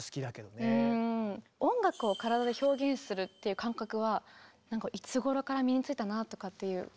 音楽を体で表現するっていう感覚はいつごろから身についたなとかっていう。